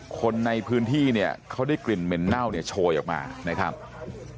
คนในพื้นที่เนี่ยเขาได้กลิ่นเหม็นเน่าเนี่ยโชยออกมานะครับ